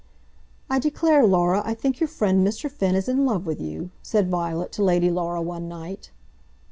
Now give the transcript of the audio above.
"I declare, Laura, I think your friend Mr. Finn is in love with you," said Violet to Lady Laura one night.